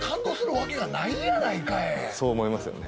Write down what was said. そう思いますよね。